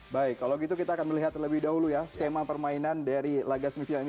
baik kalau gitu kita akan melihat lebih dahulu ya skema permainan dari laga semifinal ini